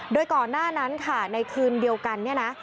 โดยก่อนหน้านั้นค่ะในคืนเดียวกันเนี่ยนะ